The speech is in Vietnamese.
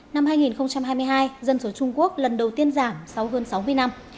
năm hai nghìn hai mươi hai dân số trung quốc lần đầu tiên giảm sau hơn sáu mươi năm